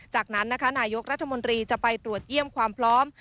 จากนั้นนะคะนายกรัฐมนตรีจะไปตรวจเยี่ยมความพร้อม